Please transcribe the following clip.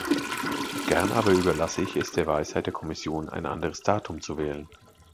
Gern aber überlasse ich es der Weisheit der Kommission, ein anderes Datum zu wählen.